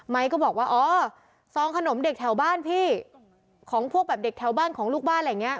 ก็บอกว่าอ๋อซองขนมเด็กแถวบ้านพี่ของพวกแบบเด็กแถวบ้านของลูกบ้านอะไรอย่างนี้